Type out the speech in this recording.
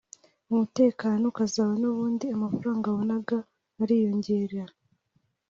umutekano ukaza n’ubundi amafaranga wabonaga ariyongera